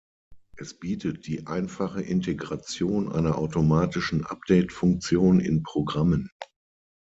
Es bietet die einfache Integration einer automatischen Update-Funktion in Programmen.